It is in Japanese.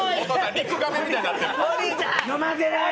リクガメみたいになってる。